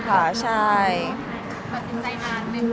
ก็ตั้งใจงานเป็นไหม